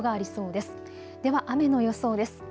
では雨の予想です。